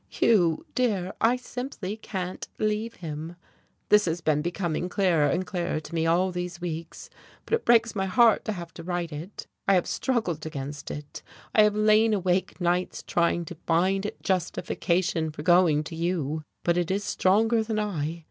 Hugh dear, I simply can't leave him. This has been becoming clearer and clearer to me all these weeks, but it breaks my heart to have to write it. I have struggled against it, I have lain awake nights trying to find justification for going to you, but it is stronger than I.